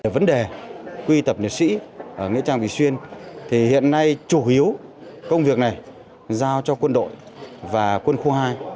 vấn đề quy tập liệt sĩ ở nghĩa trang vị xuyên thì hiện nay chủ yếu công việc này giao cho quân đội và quân khu hai